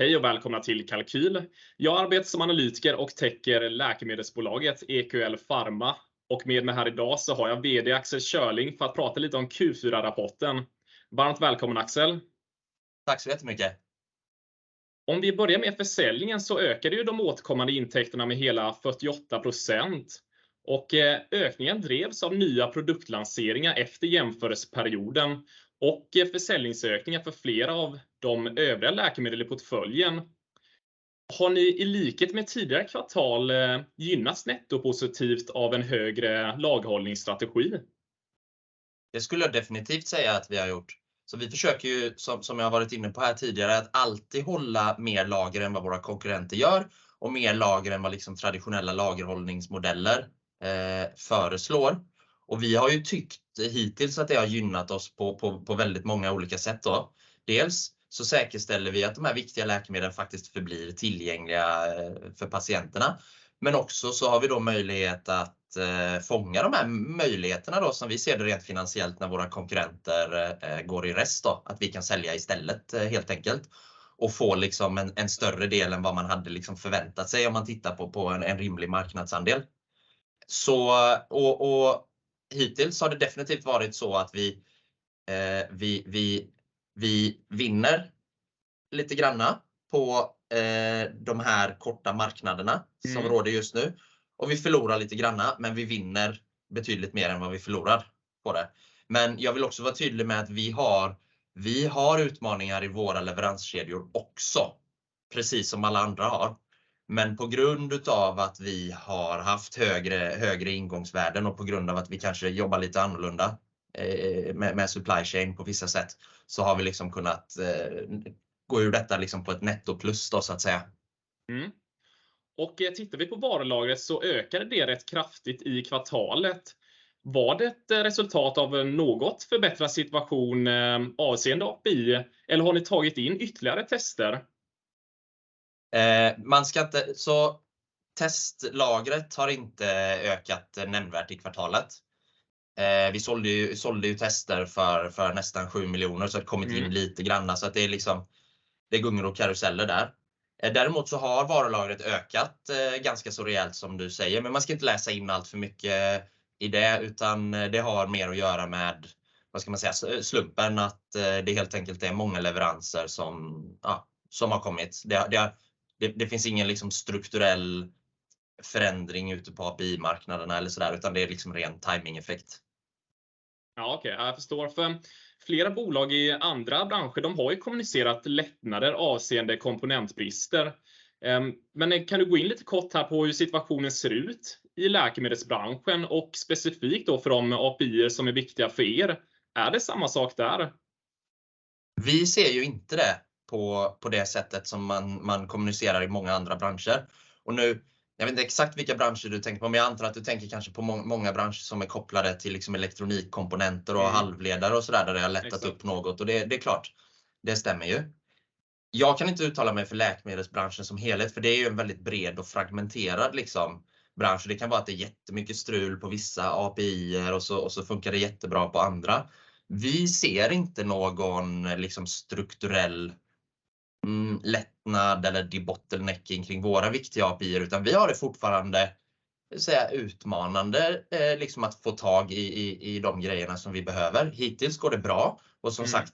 Hej och välkomna till Kalqyl. Jag arbetar som analytiker och täcker läkemedelsbolaget EQL Pharma och med mig här i dag så har jag VD Axel Schörling för att prata lite om Q4-rapporten. Varmt välkommen Axel. Tack så jättemycket. Om vi börjar med försäljningen ökar ju de återkommande intäkterna med hela 48% och ökningen drevs av nya produktlanseringar efter jämförelseperioden och försäljningsökningar för flera av de övriga läkemedel i portföljen. Har ni i likhet med tidigare kvartal gynnats netto positivt av en högre lagerhållningsstrategi? Det skulle jag definitivt säga att vi har gjort. Vi försöker ju, som jag har varit inne på här tidigare, att alltid hålla mer lager än vad våra konkurrenter gör och mer lager än vad liksom traditionella lagerhållningsmodeller föreslår. Vi har ju tyckt hittills att det har gynnat oss på väldigt många olika sätt då. Dels så säkerställer vi att de här viktiga läkemedlen faktiskt förblir tillgängliga för patienterna, men också så har vi då möjlighet att fånga de här möjligheterna då som vi ser det rent finansiellt när våra konkurrenter går i rest då, att vi kan sälja istället helt enkelt och få liksom en större del än vad man hade liksom förväntat sig om man tittar på en rimlig marknadsandel. Hittills har det definitivt varit så att vi vinner lite granna på de här korta marknaderna som råder just nu. Vi förlorar lite granna, men vi vinner betydligt mer än vad vi förlorar på det. Jag vill också vara tydlig med att vi har utmaningar i våra leveranskedjor också, precis som alla andra har. På grund utav att vi har haft högre ingångsvärden och på grund av att vi kanske jobbar lite annorlunda med supply chain på vissa sätt, så har vi liksom kunnat gå ur detta liksom på ett netto plus då så att säga. Tittar vi på varulagret så ökade det rätt kraftigt i kvartalet. Var det ett resultat av en något förbättrad situation avseende API eller har ni tagit in ytterligare tester? Man ska inte, så testlagret har inte ökat nämnvärt i kvartalet. Vi sålde ju tester för nästan 7 million så det kommit in lite granna. Det är liksom, det är gungor och karuseller där. Däremot har varulagret ökat ganska så rejält som du säger, men man ska inte läsa in alltför mycket i det, utan det har mer att göra med, vad ska man säga, slumpen att det helt enkelt är många leveranser som har kommit. Det finns ingen liksom strukturell förändring ute på API-marknaderna eller sådär, utan det är liksom ren timingeffekt. Ja, okej, jag förstår. Flera bolag i andra branscher, de har ju kommunicerat lättnader avseende komponentbrister. Kan du gå in lite kort här på hur situationen ser ut i läkemedelsbranschen och specifikt då för de API:er som är viktiga för er? Är det samma sak där? Vi ser ju inte det på det sättet som man kommunicerar i många andra branscher. Nu, jag vet inte exakt vilka branscher du tänker på, men jag antar att du tänker kanske på många branscher som är kopplade till liksom elektronikkomponenter och halvledare och sådär där det har lättat upp något. Det är klart, det stämmer ju. Jag kan inte uttala mig för läkemedelsbranschen som helhet, för det är ju en väldigt bred och fragmenterad liksom bransch. Det kan vara att det är jättemycket strul på vissa API:er och så funkar det jättebra på andra. Vi ser inte någon liksom strukturell lättnad eller debottlenecking kring våra viktiga API:er, vi har det fortfarande, ska säga utmanande, liksom att få tag i de grejerna som vi behöver. Hittills går det bra och som sagt,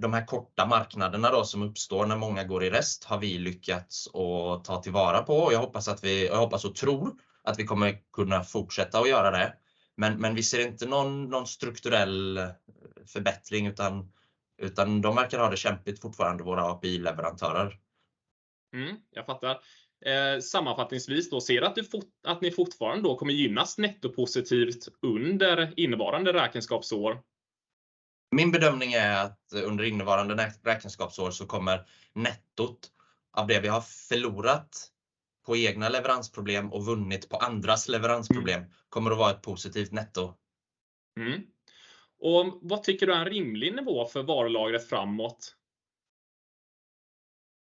de här korta marknaderna då som uppstår när många går i rest har vi lyckats å ta till vara på. Jag hoppas och tror att vi kommer kunna fortsätta att göra det. Vi ser inte någon strukturell förbättring utan de verkar ha det kämpigt fortfarande våra API-leverantörer. jag fattar. sammanfattningsvis då ser du att ni fortfarande då kommer gynnas nettopositivt under innevarande räkenskapsår? Min bedömning är att under innevarande räkenskapsår så kommer nettot av det vi har förlorat på egna leveransproblem och vunnit på andras leveransproblem kommer att vara ett positivt netto. Vad tycker du är en rimlig nivå för varulagret framåt?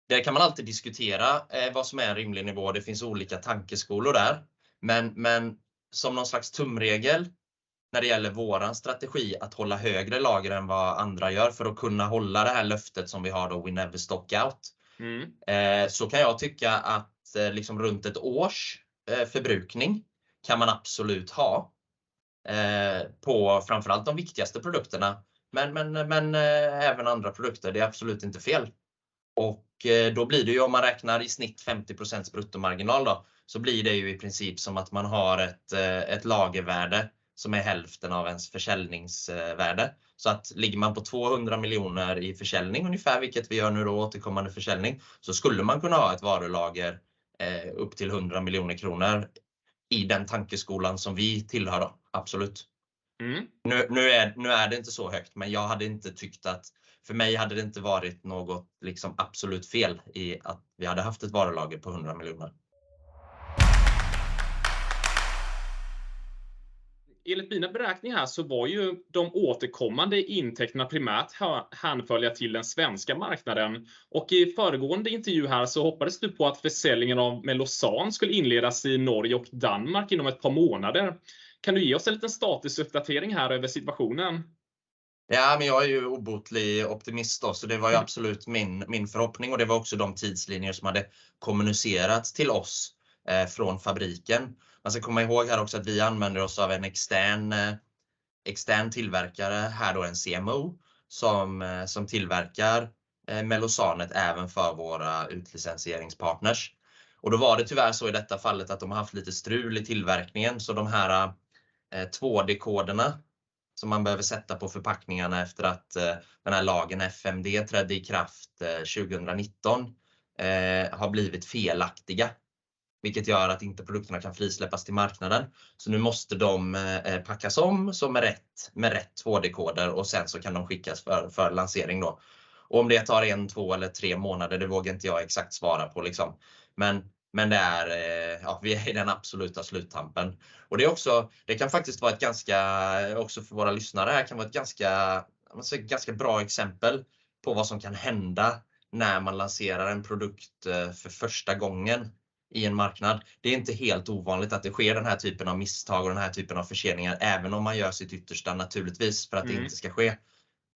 Det kan man alltid diskutera, vad som är rimlig nivå. Det finns olika tankeskolor där. Som någon slags tumregel när det gäller våran strategi att hålla högre lager än vad andra gör för att kunna hålla det här löftet som vi har då "we never stock out". Så kan jag tycka att liksom runt 1 års förbrukning kan man absolut ha på framför allt de viktigaste produkterna. Även andra produkter, det är absolut inte fel. Då blir det ju om man räknar i snitt 50% bruttomarginal då, så blir det ju i princip som att man har ett lagervärde som är hälften av ens försäljningsvärde. Ligger man på 200 million i försäljning ungefär, vilket vi gör nu då återkommande försäljning, skulle man kunna ha ett varulager upp till 100 million kronor i den tankeskolan som vi tillhör då. Absolut. Nu är det inte så högt, men jag hade inte tyckt att för mig hade det inte varit något liksom absolut fel i att vi hade haft ett varulager på 100 million. Enligt mina beräkningar var ju de återkommande intäkterna primärt handfölja till den svenska marknaden och i föregående intervju här hoppades du på att försäljningen av Mellozzan skulle inledas i Norge och Danmark inom ett par månader. Kan du ge oss en liten statusuppdatering här över situationen? Jag är ju obotlig optimist då. Det var absolut min förhoppning och det var också de tidslinjer som hade kommunicerats till oss från fabriken. Man ska komma ihåg här också att vi använder oss av en extern tillverkare, här då en CMO, som tillverkar Mellozzan även för våra utlicensieringspartners. Då var det tyvärr så i detta fallet att de haft lite strul i tillverkningen. De här 2D-koderna som man behöver sätta på förpackningarna efter att den här lagen FMD trädde i kraft 2019 har blivit felaktiga, vilket gör att inte produkterna kan frisläppas till marknaden. Nu måste de packas om med rätt 2D-koder och sen så kan de skickas för lansering då. Om det tar 1, 2 eller 3 månader, det vågar inte jag exakt svara på liksom. Men det är, vi är i den absoluta sluttampen. Det är också, det kan faktiskt vara ett ganska, också för våra lyssnare här, kan vara ett ganska bra exempel på vad som kan hända när man lanserar en produkt för första gången i en marknad. Det är inte helt ovanligt att det sker den här typen av misstag och den här typen av förseningar, även om man gör sitt yttersta naturligtvis för att det inte ska ske.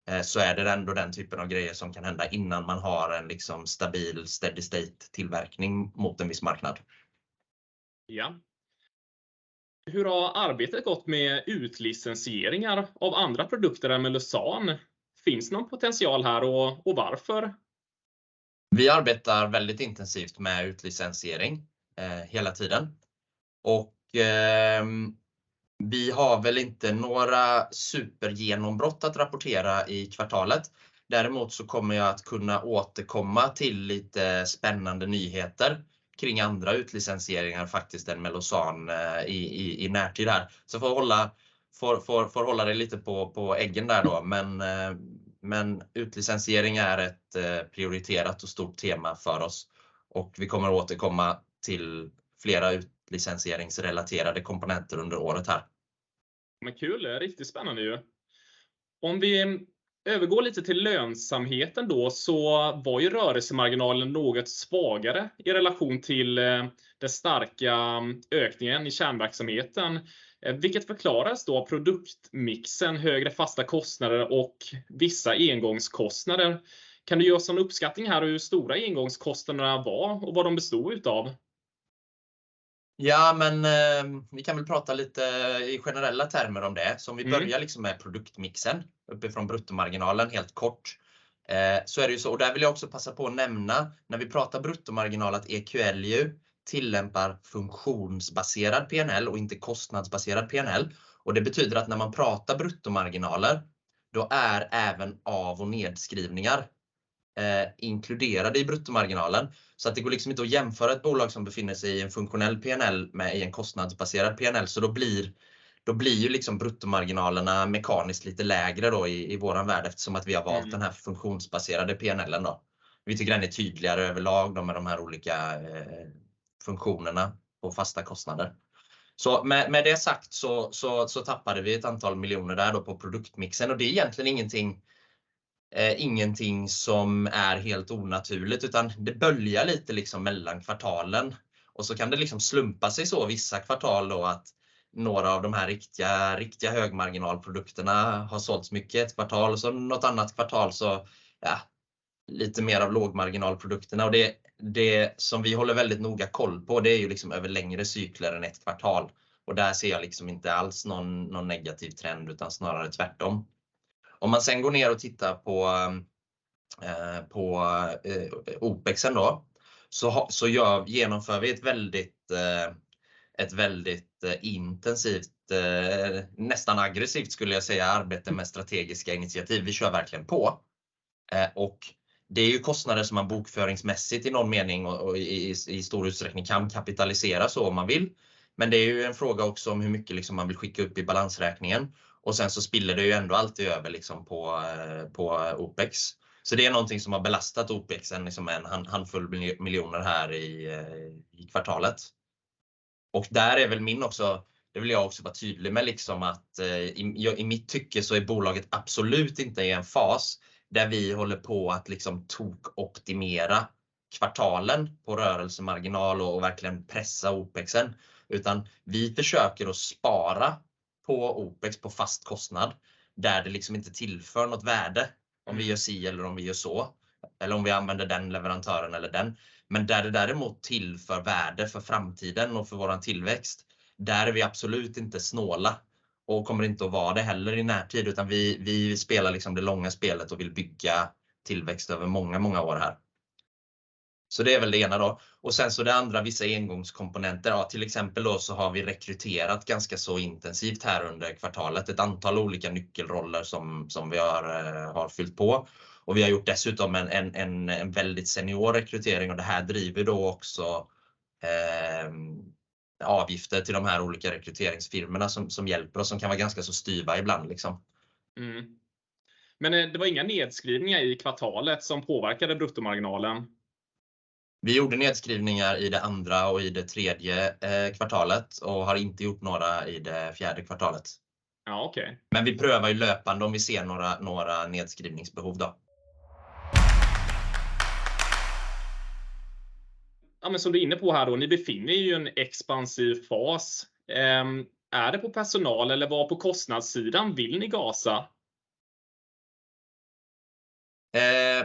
Är det ändå den typen av grejer som kan hända innan man har en liksom stabil steady state tillverkning mot en viss marknad. Ja. Hur har arbetet gått med utlicensieringar av andra produkter än Mellozzan? Finns någon potential här och varför? Vi arbetar väldigt intensivt med utlicensiering hela tiden. Vi har väl inte några supergenombrott att rapportera i kvartalet. Däremot så kommer jag att kunna återkomma till lite spännande nyheter kring andra utlicensieringar, faktiskt än Mellozzan i närtid här. Får hålla dig lite på eggen där då. Utlicensiering är ett prioriterat och stort tema för oss och vi kommer återkomma till flera utlicensieringsrelaterade komponenter under året här. Kul, riktigt spännande ju. Om vi övergår lite till lönsamheten då så var ju rörelsemarginalen något svagare i relation till den starka ökningen i kärnverksamheten, vilket förklarades då av produktmixen, högre fasta kostnader och vissa engångskostnader. Kan du göra en uppskattning här hur stora engångskostnaderna var och vad de bestod utav? Vi kan väl prata lite i generella termer om det. Vi börjar liksom med produktmixen uppifrån bruttomarginalen helt kort. Det är ju så. Där vill jag också passa på att nämna när vi pratar bruttomarginal att EQL ju tillämpar funktionsbaserad PNL och inte kostnadsbaserad PNL. Det betyder att när man pratar bruttomarginaler, då är även av- och nedskrivningar inkluderade i bruttomarginalen. Det går liksom inte att jämföra ett bolag som befinner sig i en funktionell PNL med en kostnadsbaserad PNL. Då blir ju liksom bruttomarginalerna mekaniskt lite lägre då i vår värld eftersom att vi har valt den här funktionsbaserade PNL-en då. Vi tycker den är tydligare överlag då med de här olika funktionerna och fasta kostnader. Med det sagt tappade vi ett antal miljoner där då på produktmixen och det är egentligen ingenting som är helt onaturligt, utan det böljar lite liksom mellan kvartalen. Kan det liksom slumpa sig så vissa kvartal då att några av de här riktiga högmarginalprodukterna har sålts mycket ett kvartal och sen något annat kvartal så ja, lite mer av lågmarginalprodukterna. Det som vi håller väldigt noga koll på, det är ju liksom över längre cykler än ett kvartal. Där ser jag liksom inte alls någon negativ trend, utan snarare tvärtom. Om man sen går ner och tittar på OpExen då, genomför vi ett väldigt intensivt, nästan aggressivt skulle jag säga, arbete med strategiska initiativ. Vi kör verkligen på. Det är ju kostnader som man bokföringsmässigt i någon mening och i stor utsträckning kan kapitalisera så om man vill. Det är ju en fråga också om hur mycket liksom man vill skicka upp i balansräkningen. Sen så spiller det ju ändå alltid över liksom på OpEx. Det är någonting som har belastat OpExen liksom en handfull miljoner här i kvartalet. Där är väl min också, det vill jag också vara tydlig med liksom att i mitt tycke så är bolaget absolut inte i en fas där vi håller på att liksom tokoptimera kvartalen på rörelsemarginal och verkligen pressa OpExen. Vi försöker att spara på OpEx på fast kostnad där det liksom inte tillför något värde om vi gör si eller om vi gör så. Om vi använder den leverantören eller den. Där det däremot tillför värde för framtiden och för vår tillväxt, där är vi absolut inte snåla och kommer inte att vara det heller i närtid, utan vi spelar liksom det långa spelet och vill bygga tillväxt över många år här. Det är väl det ena då. Det andra, vissa engångskomponenter. Ja, till exempel då så har vi rekryterat ganska så intensivt här under kvartalet, ett antal olika nyckelroller som vi har fyllt på. Vi har gjort dessutom en väldigt senior rekrytering och det här driver då också avgifter till de här olika rekryteringsfirmorna som hjälper oss och som kan vara ganska så styva ibland liksom. Det var inga nedskrivningar i kvartalet som påverkade bruttomarginalen? Vi gjorde nedskrivningar i det 2nd och i det 3rd kvartalet och har inte gjort några i det 4th kvartalet. Ja, okay. Vi prövar ju löpande om vi ser några nedskrivningsbehov då. Som du är inne på här då, ni befinner ju en expansiv fas. Är det på personal eller var på kostnadssidan vill ni gasa?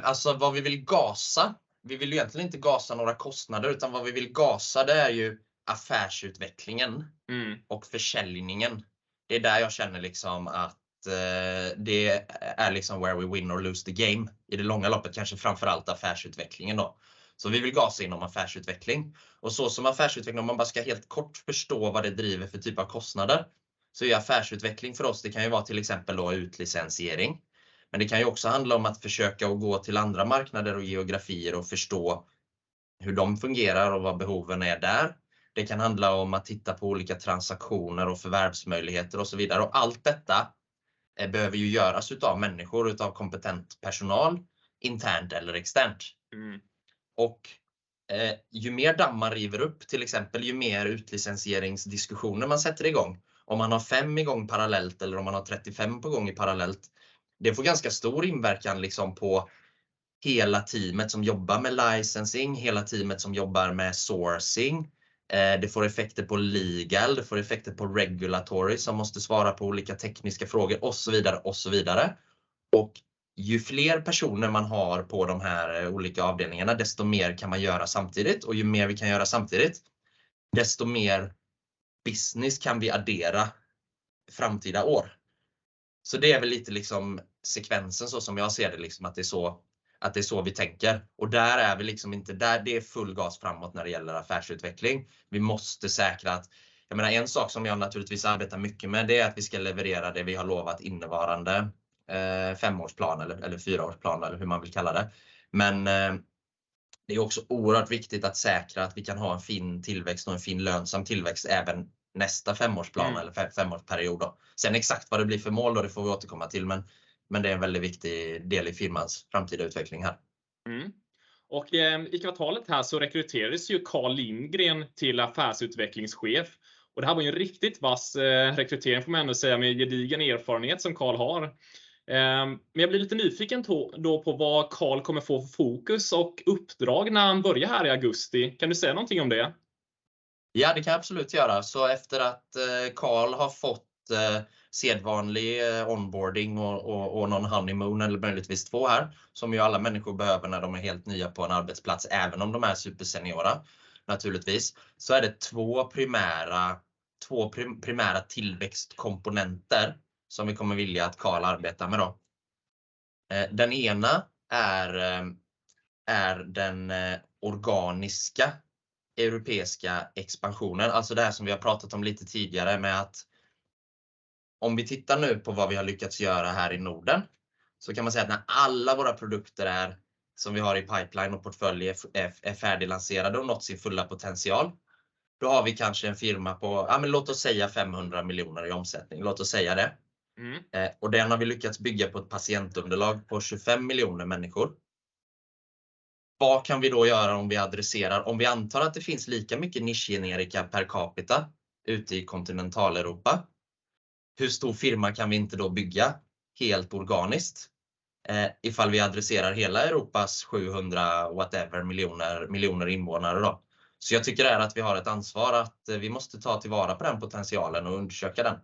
Alltså vad vi vill gasa. Vi vill egentligen inte gasa några kostnader, utan vad vi vill gasa det är ju affärsutvecklingen och försäljningen. Det är där jag känner liksom att det är liksom where we win or lose the game i det långa loppet, kanske framför allt affärsutvecklingen då. Så vi vill gasa inom affärsutveckling. Så som affärsutveckling, om man bara ska helt kort förstå vad det driver för typ av kostnader, så är affärsutveckling för oss, det kan ju vara till exempel då utlicensiering. Det kan ju också handla om att försöka och gå till andra marknader och geografier och förstå hur de fungerar och vad behoven är där. Det kan handla om att titta på olika transaktioner och förvärvsmöjligheter och så vidare. Allt detta behöver ju göras utav människor, utav kompetent personal, internt eller externt. Ju mer dammar river upp, till exempel, ju mer utlicensieringsdiskussioner man sätter i gång. Man har 5 i gång parallellt eller man har 35 på gång i parallellt, det får ganska stor inverkan liksom på hela teamet som jobbar med licensing, hela teamet som jobbar med sourcing. Det får effekter på legal, det får effekter på regulatory som måste svara på olika tekniska frågor och så vidare och så vidare. Ju fler personer man har på de här olika avdelningarna, desto mer kan man göra samtidigt och ju mer vi kan göra samtidigt, desto mer business kan vi addera framtida år. Det är väl lite liksom sekvensen så som jag ser det, liksom att det är så, att det är så vi tänker. Där är vi liksom inte där det är full gas framåt när det gäller affärsutveckling. Vi måste säkra att, jag menar en sak som jag naturligtvis arbetar mycket med det är att vi ska leverera det vi har lovat innevarande femårsplan eller fyraårsplan eller hur man vill kalla det. Det är också oerhört viktigt att säkra att vi kan ha en fin tillväxt och en fin lönsam tillväxt även nästa femårsplan eller femårsperiod då. Exakt vad det blir för mål, det får vi återkomma till, men det är en väldigt viktig del i firmans framtida utveckling här. I kvartalet här så rekryterades ju Carl Lindgren till affärsutvecklingschef. Det här var ju en riktigt vass rekrytering får man ändå säga med gedigen erfarenhet som Carl har. Jag blir lite nyfiken då på vad Carl kommer få för fokus och uppdrag när han börjar här i August. Kan du säga någonting om det? Det kan jag absolut göra. Efter att Carl har fått sedvanlig onboarding och någon honeymoon eller möjligtvis två här som ju alla människor behöver när de är helt nya på en arbetsplats, även om de är super seniora naturligtvis, är det två primära tillväxtkomponenter som vi kommer vilja att Carl arbetar med då. Den ena är den organiska europeiska expansionen. Det här som vi har pratat om lite tidigare med att om vi tittar nu på vad vi har lyckats göra här i Norden, kan man säga att när alla våra produkter, som vi har i pipeline och portfölj, är färdiglanserade och nått sin fulla potential, då har vi kanske en firma på, ja men låt oss säga 500 million SEK i omsättning. Låt oss säga det. Den har vi lyckats bygga på ett patientunderlag på 25 million människor. Vad kan vi då göra om vi adresserar, om vi antar att det finns lika mycket nischgenerika per capita ute i continental Europe. Hur stor firma kan vi inte då bygga helt organiskt? Ifall vi adresserar hela Europe's 700 whatever miljoner invånare då. Jag tycker det är att vi har ett ansvar att vi måste ta tillvara på den potentialen och undersöka den.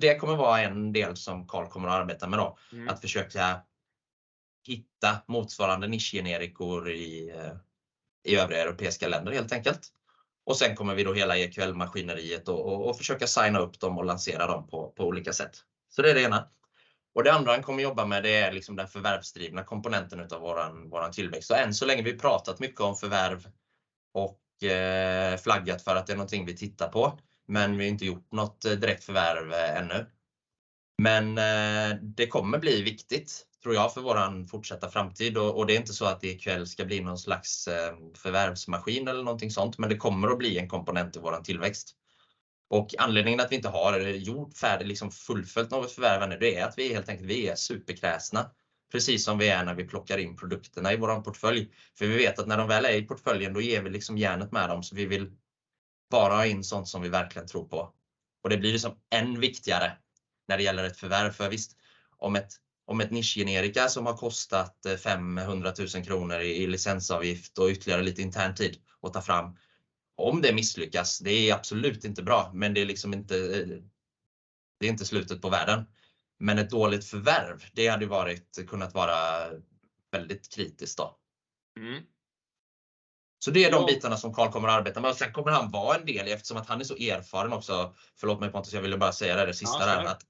Det kommer vara en del som Carl kommer att arbeta med då. Att försöka hitta motsvarande nischgenerika i övriga European länder helt enkelt. Sen kommer vi då hela EQL-maskineriet och försöka signa upp dem och lansera dem på olika sätt. Det är det ena. Det andra han kommer jobba med det är liksom den förvärvsdrivna komponenten utav våran tillväxt. Än så länge vi pratat mycket om förvärv och flaggat för att det är någonting vi tittar på, vi har inte gjort något direkt förvärv ännu. Det kommer bli viktigt tror jag för våran fortsätta framtid det är inte så att EQL ska bli någon slags förvärvsmaskin eller någonting sånt, det kommer att bli en komponent i våran tillväxt. Anledningen att vi inte har gjort färdig, liksom fullföljt något förvärv ännu, det är att vi helt enkelt, vi är superkräsna. Precis som vi är när vi plockar in produkterna i våran portfölj. Vi vet att när de väl är i portföljen, då ger vi liksom hjärnet med dem. Vi vill bara ha in sånt som vi verkligen tror på. Det blir liksom än viktigare när det gäller ett förvärv. Visst, om ett nischgenerika som har kostat 500,000 kronor i licensavgift och ytterligare lite intern tid att ta fram, om det misslyckas, det är absolut inte bra, men det är inte slutet på världen. Ett dåligt förvärv, det hade kunnat vara väldigt kritiskt då. Det är de bitarna som Carl kommer att arbeta med. Kommer han vara en del eftersom att han är så erfaren också. Förlåt mig Pontus, jag ville bara säga det där sista där att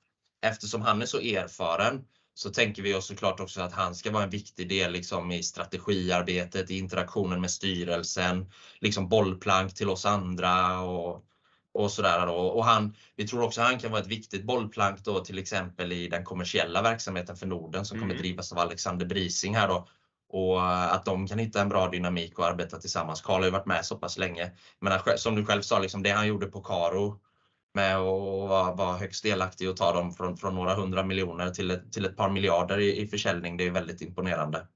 eftersom han är så erfaren så tänker vi oss så klart också att han ska vara en viktig del liksom i strategiarbetet, i interaktionen med styrelsen, liksom bollplank till oss andra och sådär då. Han, vi tror också han kan vara ett viktigt bollplank då till exempel i den kommersiella verksamheten för Norden som kommer drivas av Alexander Brising här då. Att de kan hitta en bra dynamik och arbeta tillsammans. Carl har ju varit med så pass länge. Som du själv sa, det han gjorde på Karo med att vara högst delaktig och ta dem från några SEK 100 million till SEK 2 billion i försäljning, det är väldigt imponerande.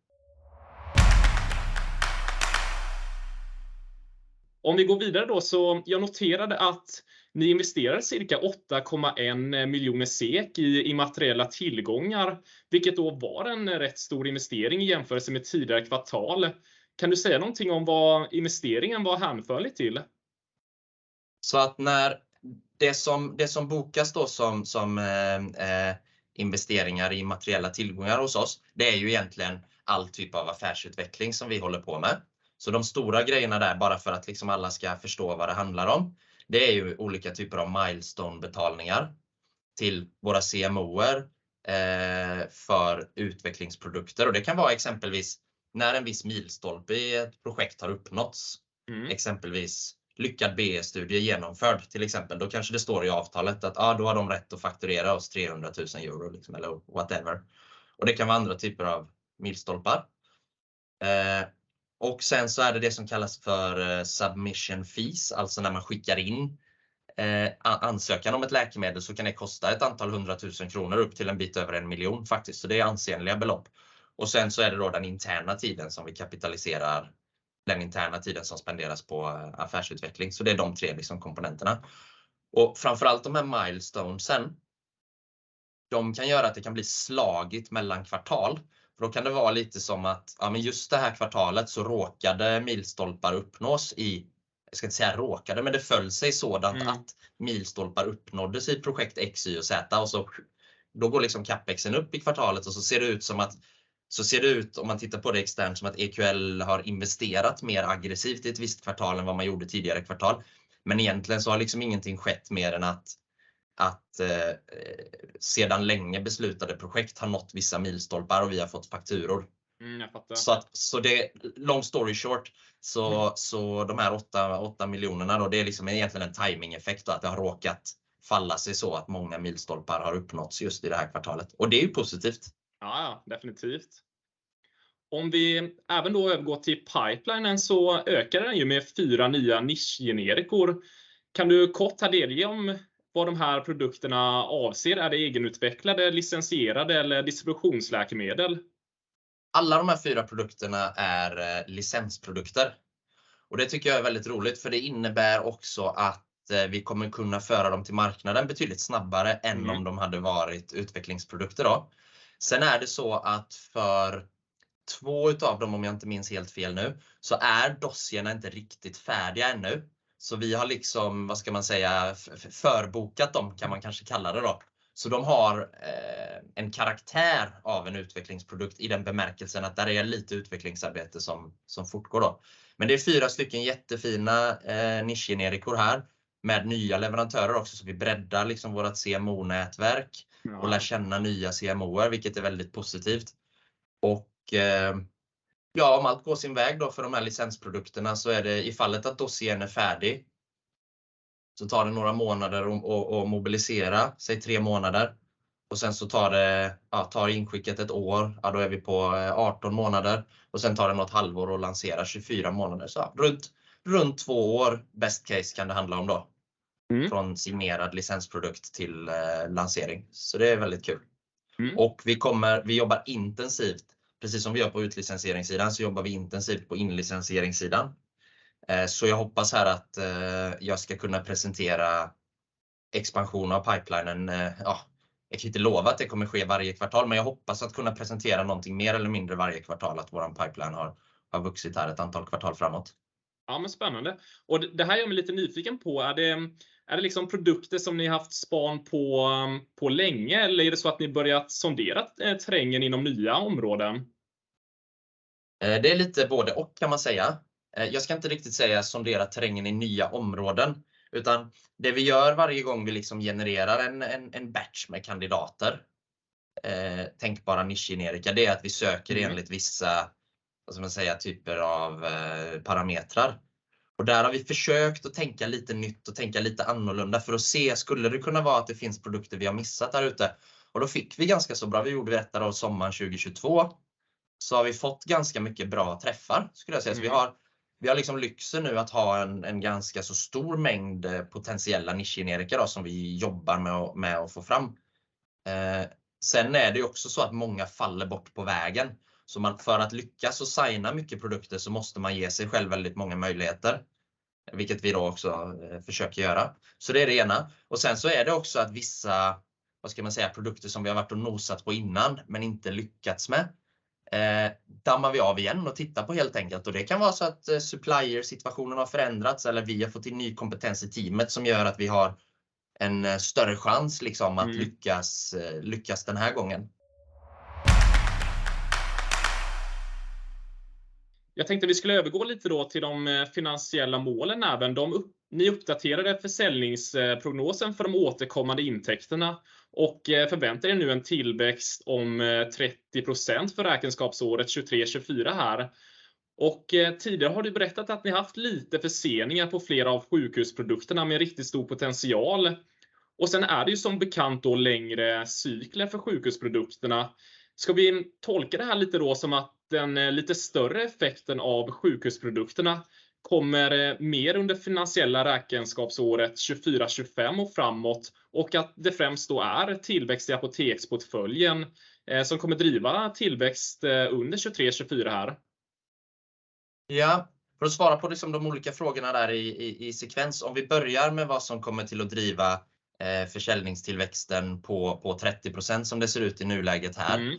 Jag noterade att ni investerade cirka 8.1 million SEK i immateriella tillgångar, vilket var en rätt stor investering i jämförelse med tidigare kvartal. Kan du säga någonting om vad investeringen var hänförlig till? När det som bokas då som investeringar i materiella tillgångar hos oss, det är ju egentligen all typ av affärsutveckling som vi håller på med. De stora grejerna där bara för att liksom alla ska förstå vad det handlar om, det är ju olika typer av milestone betalningar till våra CMOs för utvecklingsprodukter. Det kan vara exempelvis när en viss milstolpe i ett projekt har uppnåtts, exempelvis lyckad BE-studie genomförd till exempel. Kanske det står i avtalet att ja då har de rätt att fakturera oss 300,000 euro liksom eller whatever. Det kan vara andra typer av milstolpar. Det är det som kallas för submission fees. Alltså när man skickar in ansökan om ett läkemedel så kan det kosta ett antal SEK 100,000 up to over 1 million faktiskt. Det är ansenliga belopp. Sen så är det då den interna tiden som vi kapitaliserar den interna tiden som spenderas på affärsutveckling. Det är de tre liksom komponenterna. Framför allt de här milestones. De kan göra att det kan bli slagit mellan kvartal. Då kan det vara lite som att just det här kvartalet så råkade milstolpar uppnås i, jag ska inte säga råkade, men det föll sig sådant att milstolpar uppnåddes i projekt X, Y och Z. Då går liksom CapExen upp i kvartalet och så ser det ut som att, så ser det ut om man tittar på det externt som att EQL har investerat mer aggressivt i ett visst kvartal än vad man gjorde tidigare kvartal. Egentligen så har liksom ingenting skett mer än att sedan länge beslutade projekt har nått vissa milstolpar och vi har fått fakturor. jag fattar. long story short, de här 8 million då, det är liksom egentligen en timingeffekt då. Det har råkat falla sig så att många milstolpar har uppnåtts just i det här kvartalet. Det är ju positivt. Ja, definitivt. Om vi även då går till pipelinen så ökar den ju med four nya nischgenerika. Kan du kort här delge om vad de här produkterna avser? Är det egenutvecklade, licensierade eller distributionsläkemedel? Alla de här 4 produkterna är licensprodukter och det tycker jag är väldigt roligt för det innebär också att vi kommer kunna föra dem till marknaden betydligt snabbare än om de hade varit utvecklingsprodukter då. Det är så att för 2 utav dem, om jag inte minns helt fel nu, så är dossiers inte riktigt färdiga ännu. Vi har liksom, vad ska man säga, förbokat dem kan man kanske kalla det då. De har en karaktär av en utvecklingsprodukt i den bemärkelsen att där är lite utvecklingsarbete som fortgår då. Men det är 4 stycken jättefina nischgenerika här med nya leverantörer också. Vi breddar liksom vårt CMO-nätverk och lär känna nya CMOer, vilket är väldigt positivt. Ja, om allt går sin väg då för de här licensprodukterna så är det i fallet att dossiern är färdig. Det tar några månader och mobilisera, säg 3 månader. Det tar inskickat 1 år. Då är vi på 18 månader och sen tar det något halvår och lanserar 24 månader. Runt 2 år best case kan det handla om då. Från signerad licensprodukt till lansering. Det är väldigt kul. Vi kommer, vi jobbar intensivt, precis som vi gör på utlicensieringssidan, så jobbar vi intensivt på inlicensieringssidan. Jag hoppas här att jag ska kunna presentera expansion av pipelinen. Jag kan inte lova att det kommer ske varje kvartal, men jag hoppas att kunna presentera någonting mer eller mindre varje kvartal. Att vår pipeline har vuxit här ett antal kvartal framåt. Ja men spännande. Det här gör mig lite nyfiken på. Är det liksom produkter som ni haft span på länge? Eller är det så att ni börjat sondera terrängen inom nya områden? Det är lite både och kan man säga. Jag ska inte riktigt säga sondera terrängen i nya områden, utan det vi gör varje gång vi liksom genererar en batch med kandidater, tänkbara nischgenerika, det är att vi söker enligt vissa, vad ska man säga, typer av parametrar. Där har vi försökt att tänka lite nytt och tänka lite annorlunda för att se, skulle det kunna vara att det finns produkter vi har missat där ute? Då fick vi ganska så bra. Vi gjorde det här då sommaren 2022. Har vi fått ganska mycket bra träffar skulle jag säga. Vi har liksom lyxen nu att ha en ganska så stor mängd potentiella nischgenerika då som vi jobbar med att få fram. Sen är det också så att många faller bort på vägen. Man för att lyckas och signa mycket produkter så måste man ge sig själv väldigt många möjligheter, vilket vi då också försöker göra. Det är det ena. Sen är det också att vissa, vad ska man säga, produkter som vi har varit och nosat på innan men inte lyckats med, dammar vi av igen och tittar på helt enkelt. Det kan vara så att supplier-situationen har förändrats eller vi har fått in ny kompetens i teamet som gör att vi har en större chans liksom att lyckas den här gången. Jag tänkte vi skulle övergå lite då till de finansiella målen, även de. Ni uppdaterade försäljningsprognosen för de återkommande intäkterna och förväntar er nu en tillväxt om 30% för räkenskapsåret 2023, 2024 här. Tidigare har du berättat att ni haft lite förseningar på flera av sjukhusprodukterna med en riktigt stor potential. Sen är det ju som bekant då längre cykler för sjukhusprodukterna. Ska vi tolka det här lite då som att den lite större effekten av sjukhusprodukterna kommer mer under finansiella räkenskapsåret 2024, 2025 och framåt och att det främst då är tillväxt i apoteksportföljen som kommer driva tillväxt under 2023, 2024 här? Ja, för att svara på de olika frågorna där i sekvens. Om vi börjar med vad som kommer till att driva försäljningstillväxten på 30% som det ser ut i nuläget här.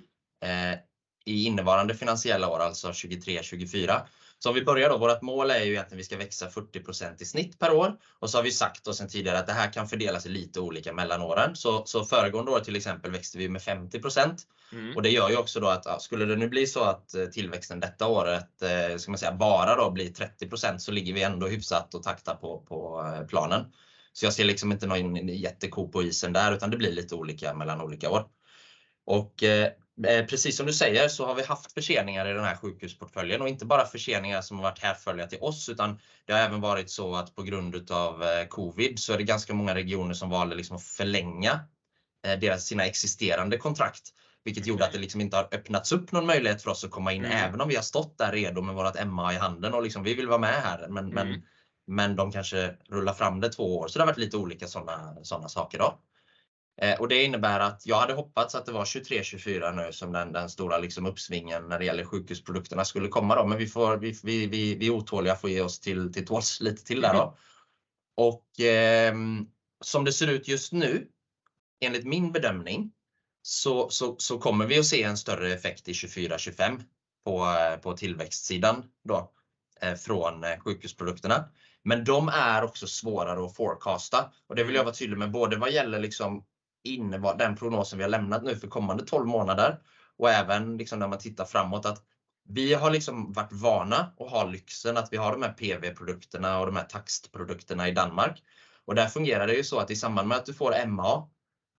I innevarande finansiella år, alltså 2023, 2024. Om vi börjar då, vårt mål är ju egentligen att vi ska växa 40% i snitt per år. Vi har sagt då sedan tidigare att det här kan fördelas lite olika mellan åren. Föregående år till exempel växte vi med 50%. Det gör ju också då att skulle det nu bli så att tillväxten detta året, ska man säga, bara då bli 30%, så ligger vi ändå hyfsat och taktar på planen. Jag ser inte något jätteko på isen där, utan det blir lite olika mellan olika år. Precis som du säger så har vi haft förseningar i den här sjukhusportföljen och inte bara förseningar som har varit härfölja till oss, utan det har även varit så att på grund av Covid så är det ganska många regioner som valde liksom att förlänga deras sina existerande kontrakt, vilket gjorde att det liksom inte har öppnats upp någon möjlighet för oss att komma in, även om vi har stått där redo med vårt MA i handen och liksom vi vill vara med här. De kanske rullar fram det två år. Det har varit lite olika sådana saker då. Det innebär att jag hade hoppats att det var 2023, 2024 nu som den stora liksom uppsvingen när det gäller sjukhusprodukterna skulle komma då. Vi får, vi är otåliga att få ge oss till tåls lite till där då. Som det ser ut just nu, enligt min bedömning, så kommer vi att se en större effekt i 2024, 2025 på tillväxtsidan då från sjukhusprodukterna. Men de är också svårare att forecasta. Det vill jag vara tydlig med både vad gäller liksom Den prognosen vi har lämnat nu för kommande 12 månader och även liksom när man tittar framåt att vi har liksom varit vana och ha lyxen att vi har de här PV-produkterna och de här takstprodukterna i Danmark. Där fungerar det ju så att i samband med att du får MA,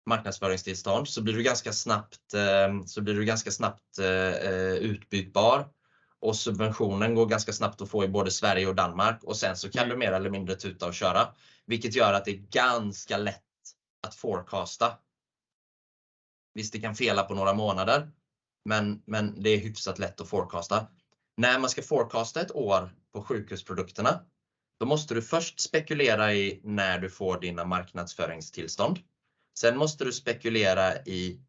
marknadsföringstillstånd, så blir du ganska snabbt utbytbar och subventionen går ganska snabbt att få i både Sverige och Danmark. Sen så kan du mer eller mindre tuta och köra, vilket gör att det är ganska lätt att forecasta. Visst, det kan fela på några månader, men det är hyfsat lätt att forecasta. När man ska forecasta ett år på sjukhusprodukterna, då måste du först spekulera i när du får dina marknadsföringstillstånd. Måste du spekulera i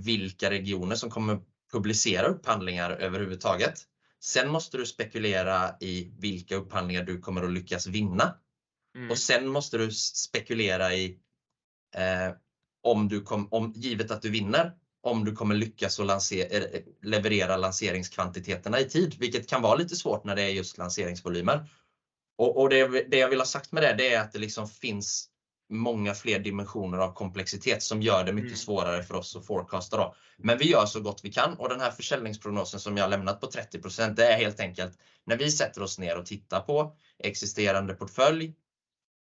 vilka regioner som kommer publicera upphandlingar överhuvudtaget. Måste du spekulera i vilka upphandlingar du kommer att lyckas vinna och sen måste du spekulera i om du, givet att du vinner, kommer lyckas och leverera lanseringskvantiteterna i tid, vilket kan vara lite svårt när det är just lanseringsvolymer. Det jag vill ha sagt med det är att det liksom finns många fler dimensioner av komplexitet som gör det mycket svårare för oss att forecasta då. Vi gör så gott vi kan och den här försäljningsprognosen som jag har lämnat på 30%, det är helt enkelt när vi sätter oss ner och tittar på existerande portfölj,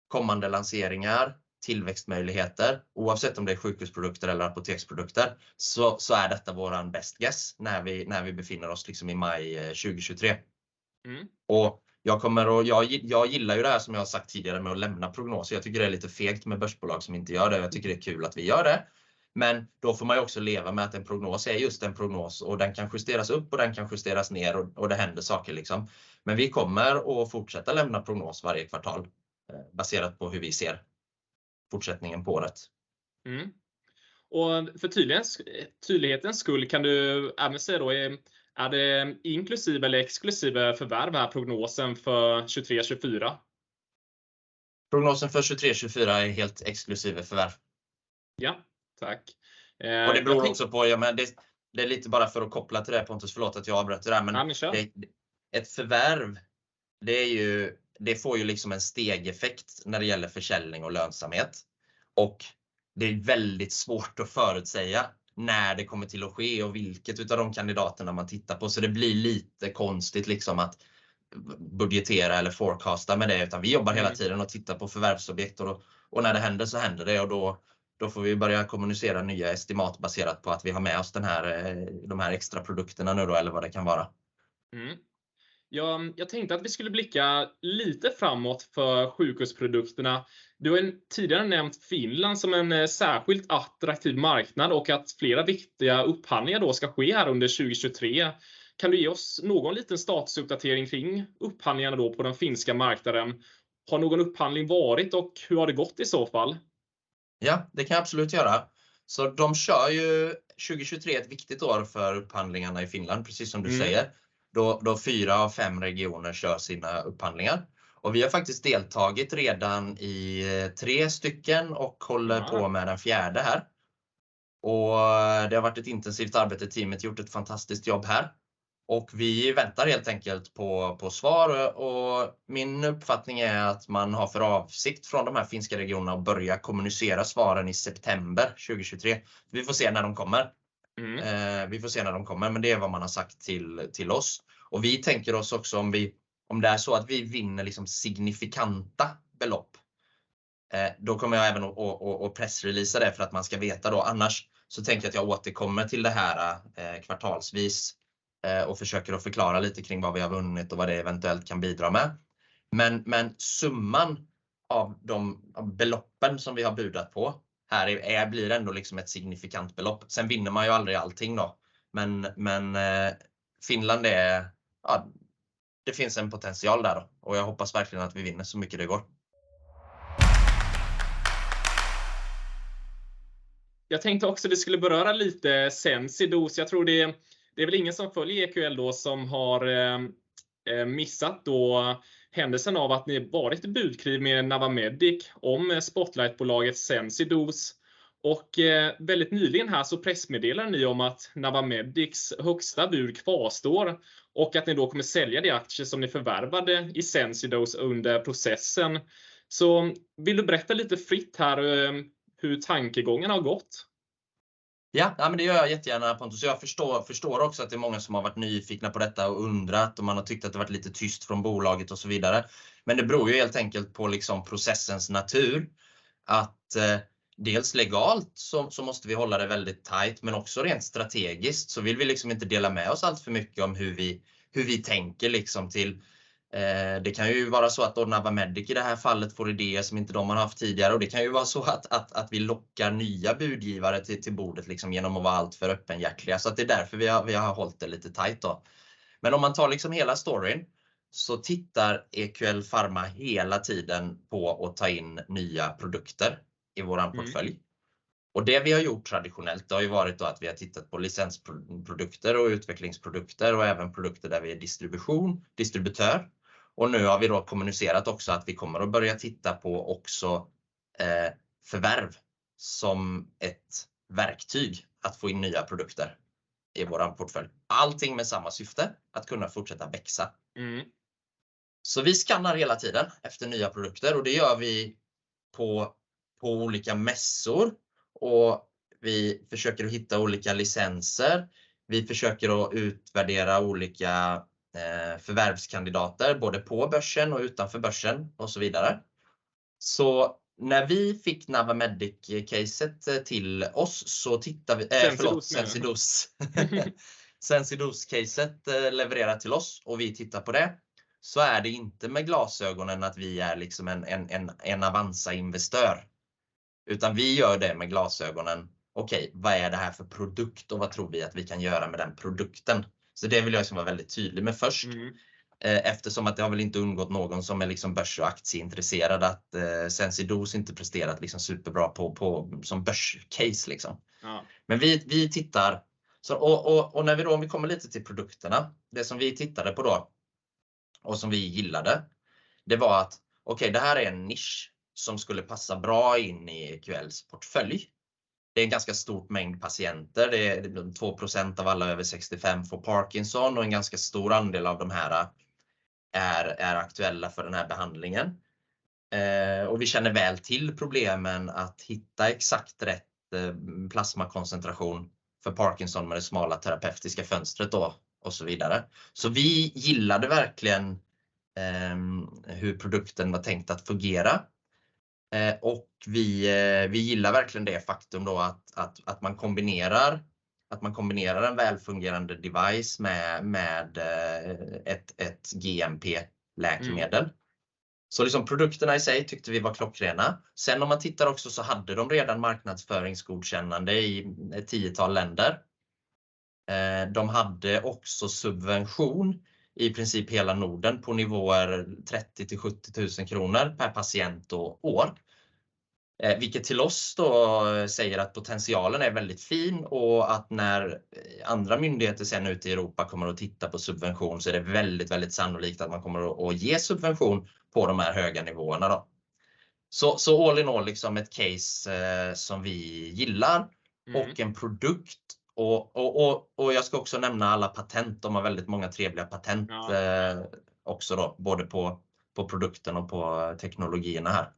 kommande lanseringar, tillväxtmöjligheter, oavsett om det är sjukhusprodukter eller apoteksprodukter, så är detta vår best guess när vi befinner oss liksom i maj 2023. Jag gillar ju det här som jag har sagt tidigare med att lämna prognoser. Jag tycker det är lite fegt med börsbolag som inte gör det. Jag tycker det är kul att vi gör det. Då får man också leva med att en prognos är just en prognos och den kan justeras upp och den kan justeras ner och det händer saker liksom. Vi kommer att fortsätta lämna prognos varje kvartal baserat på hur vi ser fortsättningen på året. För tydlighetens skull kan du även säga då är det inklusive eller exklusive förvärv den här prognosen för 2023, 2024? Prognosen för 2023, 2024 är helt exklusive förvärv. Ja, tack. Det beror också på ja men det är lite bara för att koppla till det Pontus. Förlåt att jag avbröt det där, men ett förvärv, det är ju, det får ju liksom en stegeffekt när det gäller försäljning och lönsamhet. Det är väldigt svårt att förutsäga när det kommer till att ske och vilket utav de kandidaterna man tittar på. Det blir lite konstigt liksom att budgetera eller forecasta med det, utan vi jobbar hela tiden och tittar på förvärvsobjekt och när det händer så händer det och då får vi börja kommunicera nya estimat baserat på att vi har med oss den här, de här extra produkterna nu då eller vad det kan vara. Jag tänkte att vi skulle blicka lite framåt för sjukhusprodukterna. Du har tidigare nämnt Finland som en särskilt attraktiv marknad och att flera viktiga upphandlingar då ska ske här under 2023. Kan du ge oss någon liten statusuppdatering kring upphandlingarna då på den finska marknaden? Har någon upphandling varit och hur har det gått i så fall? Ja, det kan jag absolut göra. De kör ju 2023, ett viktigt år för upphandlingarna i Finland, precis som du säger. Då four av five regioner kör sina upphandlingar. Vi har faktiskt deltagit redan i three stycken och håller på med den fourth här. Det har varit ett intensivt arbete, teamet har gjort ett fantastiskt jobb här och vi väntar helt enkelt på svar och min uppfattning är att man har för avsikt från de här finska regionerna att börja kommunicera svaren i september 2023. Vi får se när de kommer. Vi får se när de kommer, men det är vad man har sagt till oss. Vi tänker oss också om det är så att vi vinner liksom signifikanta belopp, då kommer jag även att pressreleasa det för att man ska veta då. Jag tänker att jag återkommer till det här kvartalsvis och försöker att förklara lite kring vad vi har vunnit och vad det eventuellt kan bidra med. Summan av de beloppen som vi har budat på här är, blir ändå liksom ett signifikant belopp. Vinner man ju aldrig allting då. Finland är, ja, det finns en potential där och jag hoppas verkligen att vi vinner så mycket det går. Jag tänkte också du skulle beröra lite Sensidose. Jag tror det är väl ingen som följer EQL då som har missat då händelsen av att ni var i ett budkrig med Navamedic om Spotlightbolaget Sensidose och väldigt nyligen här pressmeddelar ni om att Navamedics högsta bud kvarstår och att ni då kommer sälja de aktier som ni förvärvade i Sensidose under processen. Vill du berätta lite fritt här hur tankegången har gått? Det gör jag jättegärna Pontus. Jag förstår också att det är många som har varit nyfikna på detta och undrat om man har tyckt att det varit lite tyst från bolaget och så vidare. Det beror ju helt enkelt på liksom processens natur. Att dels legalt så måste vi hålla det väldigt tajt, men också rent strategiskt så vill vi liksom inte dela med oss allt för mycket om hur vi, hur vi tänker liksom till. Det kan ju vara så att Navamedic i det här fallet får idéer som inte de har haft tidigare. Det kan ju vara så att vi lockar nya budgivare till bordet liksom genom att vara alltför öppenhjärtliga. Det är därför vi har hållit det lite tajt då. Om man tar liksom hela storyn så tittar EQL Pharma hela tiden på att ta in nya produkter i vår portfölj. Det vi har gjort traditionellt har ju varit då att vi har tittat på licensprodukter och utvecklingsprodukter och även produkter där vi är distribution, distributör. Nu har vi då kommunicerat också att vi kommer att börja titta på också, förvärv som ett verktyg att få in nya produkter i vår portfölj. Allting med samma syfte att kunna fortsätta växa. Vi scannar hela tiden efter nya produkter och det gör vi på olika mässor och vi försöker att hitta olika licenser. Vi försöker att utvärdera olika förvärvskandidater både på börsen och utanför börsen och så vidare. När vi fick Navamedic-caset till oss förlåt- Sensidose Sensidose-caset levererat till oss och vi tittar på det. Är det inte med glasögonen att vi är liksom en Avanza-investor. Utan vi gör det med glasögonen: okej, vad är det här för produkt och vad tror vi att vi kan göra med den produkten? Det vill jag vara väldigt tydlig med först. Eftersom att det har väl inte undgått någon som är liksom börs- och aktieintresserad att Sensidose inte presterat liksom superbra på som börscase liksom. Vi tittar. Och när vi då, om vi kommer lite till produkterna, det som vi tittade på då och som vi gillade, det var att okej, det här är en nisch som skulle passa bra in i EQLs portfölj. Det är en ganska stort mängd patienter. Det är 2% av alla över 65 får Parkinson och en ganska stor andel av de här är aktuella för den här behandlingen. Vi känner väl till problemen att hitta exakt rätt plasmakoncentration för Parkinson med det smala terapeutiska fönstret då och så vidare. Vi gillade verkligen hur produkten var tänkt att fungera. Vi gillar verkligen det faktum då att man kombinerar en välfungerande device med ett GMP-läkemedel. Liksom produkterna i sig tyckte vi var klockrena. Om man tittar också så hade de redan marknadsföringsgodkännande i ett tiotal länder. De hade också subvention i princip hela Norden på nivåer 30,000-70,000 kronor per patient då år. Vilket till oss då säger att potentialen är väldigt fin och att när andra myndigheter sen ute i Europa kommer att titta på subvention så är det väldigt sannolikt att man kommer att ge subvention på de här höga nivåerna då. All in all liksom ett case som vi gillar och en produkt. Jag ska också nämna alla patent. De har väldigt många trevliga patent också då, både på produkten och på teknologierna här.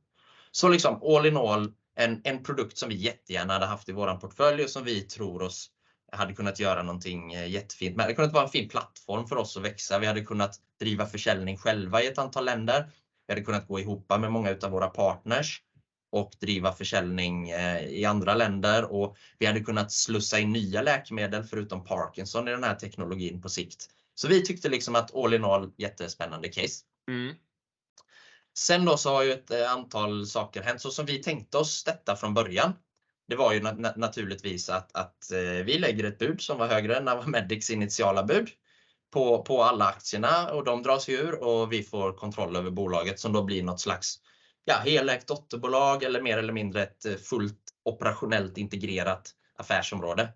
Liksom all in all, en produkt som vi jättegärna hade haft i vår portfölj och som vi tror oss hade kunnat göra någonting jättefint med. Det kunde vara en fin plattform för oss att växa. Vi hade kunnat driva försäljning själva i ett antal länder. Vi hade kunnat gå ihop med många utav våra partners och driva försäljning i andra länder och vi hade kunnat slussa in nya läkemedel förutom Parkinson i den här teknologin på sikt. Vi tyckte liksom att all in all, jättespännande case. Då så har ju ett antal saker hänt. Som vi tänkte oss detta från början, det var ju naturligtvis att vi lägger ett bud som var högre än Navamedic's initiala bud på alla aktierna och de dras ju ur och vi får kontroll över bolaget som då blir något slags helägt dotterbolag eller mer eller mindre ett fullt operationellt integrerat affärsområde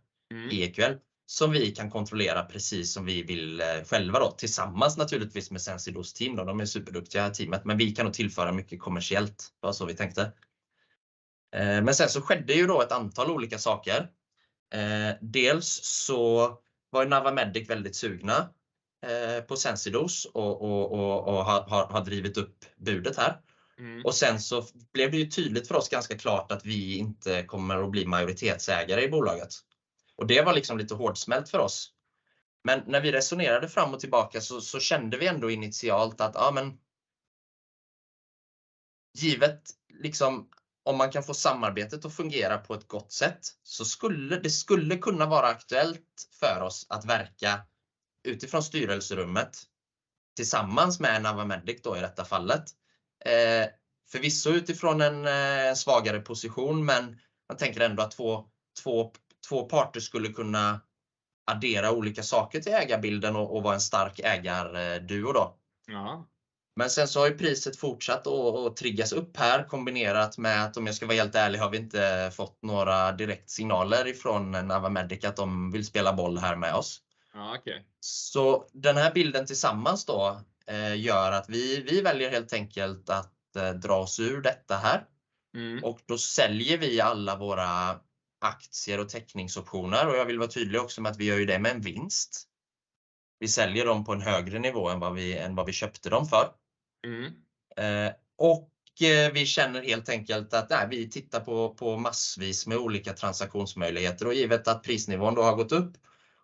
i EQL. Som vi kan kontrollera precis som vi vill själva då tillsammans naturligtvis med Sensidose team. De är superduktiga det här teamet, men vi kan nog tillföra mycket kommersiellt. Det var så vi tänkte. Sen så skedde ju då ett antal olika saker. Dels så var Navamedic väldigt sugna på Sensidose och har drivit upp budet här. Sen så blev det ju tydligt för oss ganska klart att vi inte kommer att bli majoritetsägare i bolaget. Det var liksom lite hårdsmält för oss. När vi resonerade fram och tillbaka så kände vi ändå initialt att ja men... Givet liksom om man kan få samarbetet att fungera på ett gott sätt så det skulle kunna vara aktuellt för oss att verka utifrån styrelserummet tillsammans med Navamedic då i detta fallet. Förvisso utifrån en svagare position, men jag tänker ändå att två parter skulle kunna addera olika saker till ägarbilden och vara en stark ägarduo då. Ja. har ju priset fortsatt att triggas upp här kombinerat med att om jag ska vara helt ärlig har vi inte fått några direktsignaler ifrån Navamedic att de vill spela boll här med oss. Ja, okay. Den här bilden tillsammans då gör att vi väljer helt enkelt att dra oss ur detta här. Då säljer vi alla våra aktier och teckningsoptioner. Jag vill vara tydlig också med att vi gör ju det med en vinst. Vi säljer dem på en högre nivå än vad vi köpte dem för. Vi känner helt enkelt att nej, vi tittar på massvis med olika transaktionsmöjligheter och givet att prisnivån då har gått upp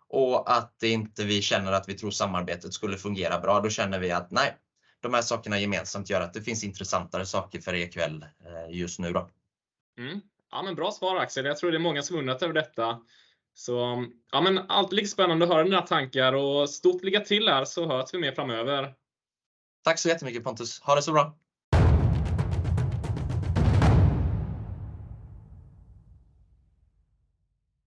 och att det inte vi känner att vi tror samarbetet skulle fungera bra, då känner vi att nej, de här sakerna gemensamt gör att det finns intressantare saker för EQL just nu då. Bra svar Axel. Jag tror det är många som undrat över detta. Alltid lika spännande att höra dina tankar och stort lycka till här så hörs vi mer framöver. Tack så jättemycket Pontus. Ha det så bra.